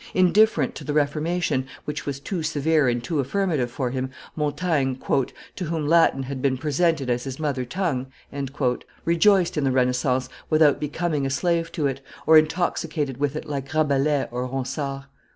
Indifferent to the Reformation, which was too severe and too affirmative for him, Montaigne, "to whom Latin had been presented as his mother tongue, rejoiced in the Renaissance without becoming a slave to it, or intoxicated with it like Rabelais or Ronsard.